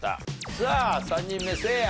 さあ３人目せいや。